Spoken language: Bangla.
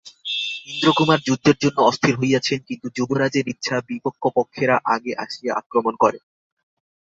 ইন্দ্রকুমার যুদ্ধের জন্য অস্থির হইয়াছেন, কিন্তু যুবরাজের ইচ্ছা বিপক্ষপক্ষেরা আগে আসিয়া আক্রমণ করে।